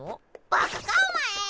バカかお前！